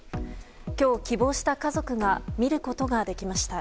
今日、希望した家族が見ることができました。